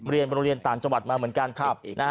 เรียนโรงเรียนต่างจังหวัดมาเหมือนกัน